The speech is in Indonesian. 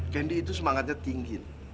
kendi itu semangatnya tinggi